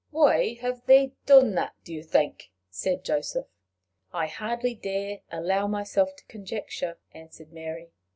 "Why have they done it, do you think? asked Joseph. "I dare hardly allow myself to conjecture," answered Mary.